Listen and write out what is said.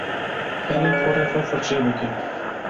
Tenê porê xwe firçe bike.